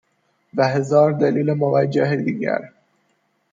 و هزار دلیل موجه دیگر